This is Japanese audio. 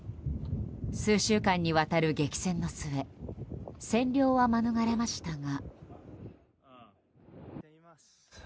数週間にわたる激戦の末占領は免れましたが。